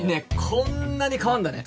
こんなに変わるんだね